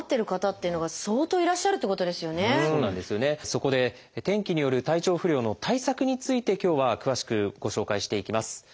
そこで天気による体調不良の対策について今日は詳しくご紹介していきます。